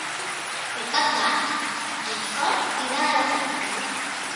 Per Cap d'Any en Sol irà a la platja.